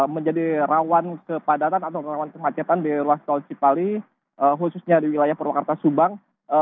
menjadi rawan kepadatan atau rawan kemacetan di ruas tol cipali khususnya di wilayah purwakarta subang